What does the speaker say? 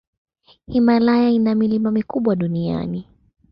Himalaya ina milima mikubwa duniani.